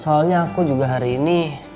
soalnya aku juga hari ini